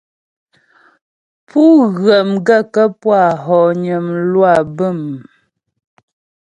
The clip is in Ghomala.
Pú ghə̀ m gaə̂kə́ pú a hɔgnə mlwâ bə̂m ?